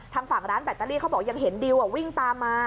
ทางฝั่งร้านแบตเตอรี่เขาบอกยังเห็นดิววิ่งตามมา